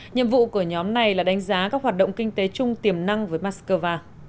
nhiệm vụ của nhóm này là đánh giá các hoạt động kinh tế chung tiềm năng với moscow